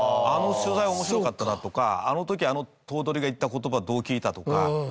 あの取材面白かったなとかあの時あの頭取が言った言葉どう聞いたとか。